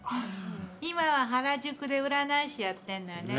今は原宿で占い師やってんのよね。